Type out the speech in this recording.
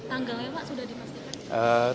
tanggalnya pak sudah dimastikan